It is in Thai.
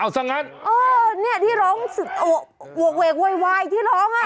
เอาซะงั้นเออนี่ที่ร้องสุดโหหัวเวกวัยวายที่ร้อง